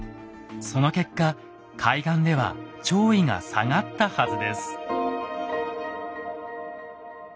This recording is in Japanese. その結果海岸では潮位が下がったはずです。